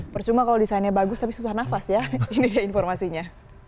percuma kalau desainnya bagus tapi susah nafas ya ini dia informasinya